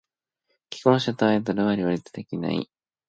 既婚者とアイドルは両立できない。